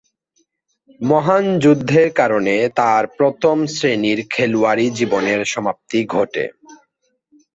মহান যুদ্ধের কারণে তার প্রথম-শ্রেণীর খেলোয়াড়ী জীবনের সমাপ্তি ঘটে।